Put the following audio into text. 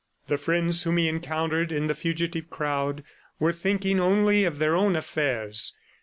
The friends whom he encountered in the fugitive crowd were thinking only of their own affairs.